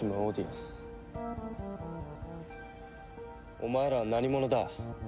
お前らは何者だ？